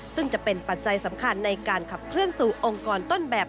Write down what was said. ซึ่งจะเป็นปัจจัยสำคัญในการขับเคลื่อนสู่องค์กรต้นแบบ